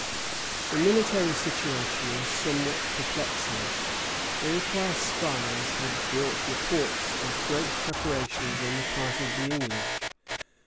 The military situation was somewhat perplexing. Iroquois spies had brought reports of great preparations on the part of the English.